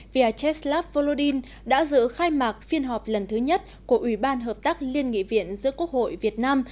vyacheslav volodin đã dự khai mạc phiên họp lần thứ nhất của ủy ban hợp tác liên nghị viện giữa quốc hội việt nam